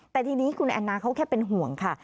แต่ทีนี้คุณแอนนาเขาแค่เป็นห่วงค่ะ